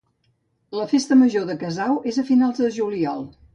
La Festa Major de Casau és a finals de juliol.